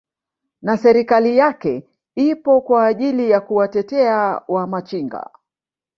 na serikali yake ipo kwa ajili ya kuwatetea wa machinga